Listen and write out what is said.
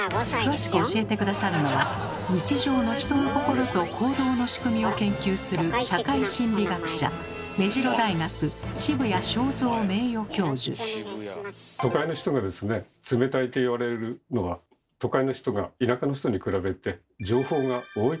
詳しく教えて下さるのは日常の人の心と行動の仕組みを研究する社会心理学者都会の人がですね冷たいといわれるのは都会の人が田舎の人に比べて情報が多いからなんですね。